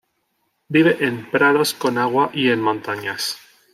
Vive en prados con agua y en montañas.